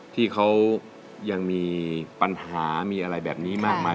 ที่เขายังมีปัญหามีอะไรแบบนี้มากมาย